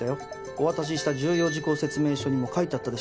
お渡しした重要事項説明書にも書いてあったでしょ？